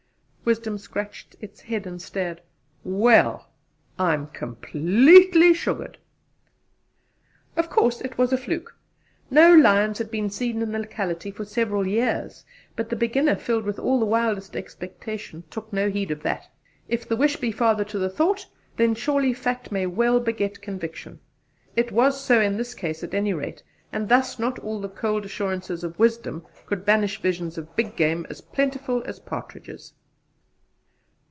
Wisdom scratched its head and stared: "Well, I am completely sugared!" Of course it was a fluke. No lions had been seen in the locality for several years; but the beginner, filled with all the wildest expectation, took no heed of that. If the wish be father to the thought, then surely fact may well beget conviction. It was so in this case, at any rate, and thus not all the cold assurances of Wisdom could banish visions of big game as plentiful as partridges.